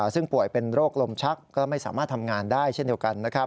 ซึ่งป่วยเป็นโรคลมชักก็ไม่สามารถทำงานได้เช่นเดียวกัน